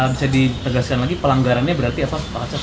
bisa ditegaskan lagi pelanggarannya berarti apa pak acep